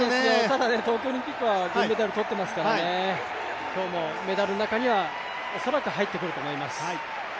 ただ、東京オリンピックは銀メダルを取っていますので、今日もメダルの中には恐らく入ってくると思います。